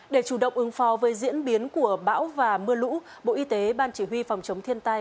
để chủ động ứng phó với diễn biến của bão và mưa lũ bộ y tế ban chỉ huy phòng chống thiên tai